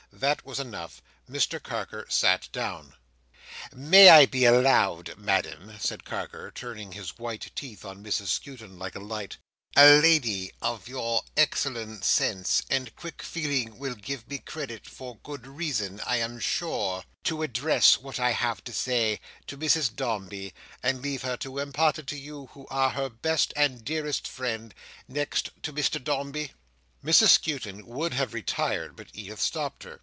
That was enough! Mr Carker sat down. "May I be allowed, Madam," said Carker, turning his white teeth on Mrs Skewton like a light—"a lady of your excellent sense and quick feeling will give me credit, for good reason, I am sure—to address what I have to say, to Mrs Dombey, and to leave her to impart it to you who are her best and dearest friend—next to Mr Dombey?" Mrs Skewton would have retired, but Edith stopped her.